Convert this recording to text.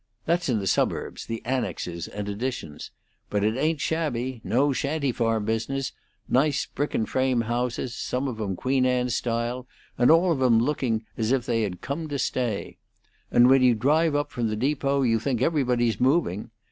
That's in the suburbs, the annexes, and additions. But it ain't shabby no shanty farm business; nice brick and frame houses, some of 'em Queen Anne style, and all of 'em looking as if they had come to stay. And when you drive up from the depot you think everybody's moving.